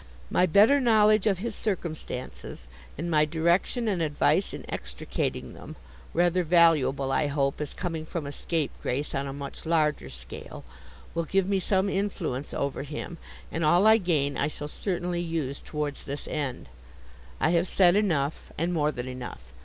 My better knowledge of his circumstances, and my direction and advice in extricating them—rather valuable, I hope, as coming from a scapegrace on a much larger scale—will give me some influence over him, and all I gain I shall certainly use towards this end. I have said enough, and more than enough.